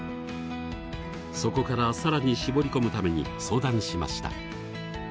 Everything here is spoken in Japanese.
そこから更に絞り込むために相談しました。